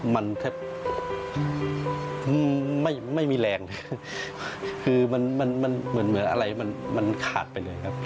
มันแทบไม่มีแรงคือมันมันเหมือนอะไรมันขาดไปเลยครับ